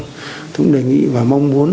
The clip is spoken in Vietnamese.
tôi cũng đề nghị và mong muốn